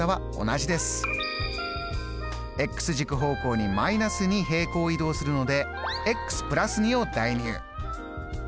軸方向に−２平行移動するので＋２を代入。